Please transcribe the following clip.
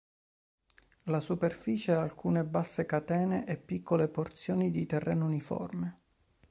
La superficie ha alcune basse catene e piccole porzioni di terreno uniforme.